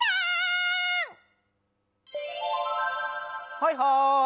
はいはい！